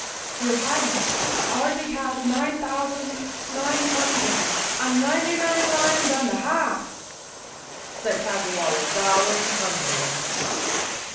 "Your Highness already has nine thousand nine hun¬ dred and ninety nine lions and a half!" said Tazzy wal¬ ler bowing humbly.